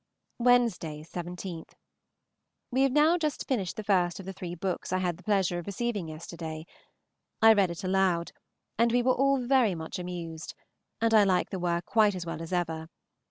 Wednesday, 17. We have now just finished the first of the three books I had the pleasure of receiving yesterday. I read it aloud, and we are all very much amused, and like the work quite as well as ever.